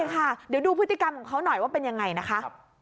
เดี๋ยวดูพฤติกรรมของเขาหน่อยว่าเป็นยังไงนะคะ